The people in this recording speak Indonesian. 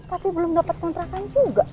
tapi belum dapat kontrakan juga